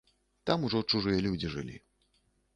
Там ужо чужыя людзі жылі.